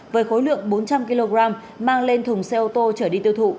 với khối lượng bốn trăm linh kg mang lên thùng xe ô tô trở đi tiêu thụ